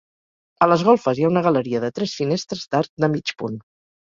A les golfes hi ha una galeria de tres finestres d'arc de mig punt.